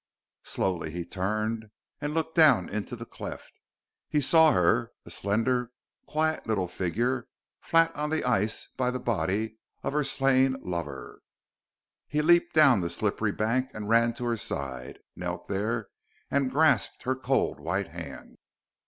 Slowly he turned and looked down into the cleft. He saw her a slender, quiet little figure, flat on the ice by the body of her slain lover. He leaped down the slippery bank and ran to her side; knelt there, and grasped her cold white hand.